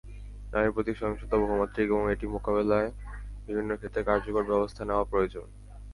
নারীর প্রতি সহিংসতা বহুমাত্রিক এবং এটা মোকাবিলায় বিভিন্ন ক্ষেত্রে কার্যকর ব্যবস্থা নেওয়া প্রয়োজন।